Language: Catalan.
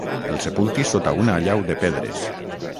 El sepultis sota una allau de pedres.